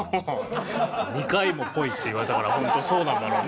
２回も「ぽい」って言われたからホントそうなんだろうね。